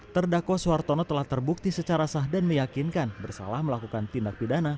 terdakwa suhartono telah terbukti secara sah dan meyakinkan bersalah melakukan tindak pidana